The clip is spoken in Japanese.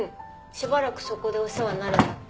しばらくそこでお世話になるんだって。